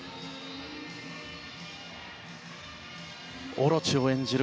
「大蛇オロチ」を演じる